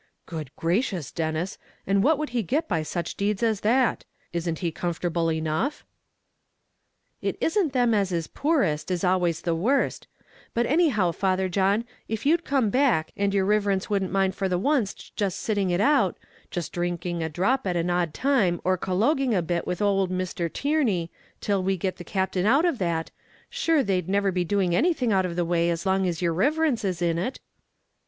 "Good gracious, Denis! and what would he get by such deeds as that? Isn't he comfortable enough." "It isn't them as is poorest, is always the worst. But any how, Father John, if you'd come back, and yer riverence wouldn't mind for the onst jist sitting it out jist dhrinking a dhrop at an odd time, or colloguing a bit with owld Mr. Tierney, till we get the Captain out of that, shure they'd never be doing anything out of the way as long as yer riverence is in it."